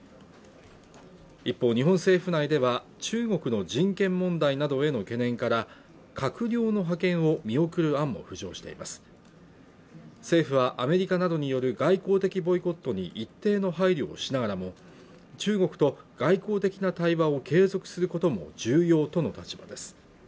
一方日本政府内では中国の人権問題などへの懸念から閣僚の派遣を見送る案も浮上しています政府はアメリカなどによる外交的ボイコットに一定の配慮をしながらも中国と外交的な対話を継続することも重要との立場です